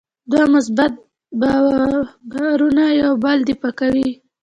دوه مثبت بارونه یو بل دفع کوي.